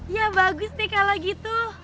ya bagus deh kalau gitu